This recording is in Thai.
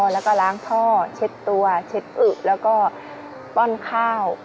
แล้วก็ล้างท่อเช็ดตัวเช็ดอึแล้วก็ป้อนข้าว